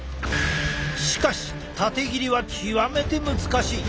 しかし縦切りは極めて難しい。